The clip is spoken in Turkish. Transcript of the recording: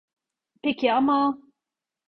Peki ama…